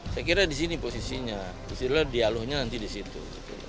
saya kira di sini posisinya disinilah dialognya nanti di situ